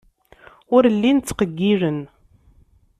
Ur llin ttqeyyilen.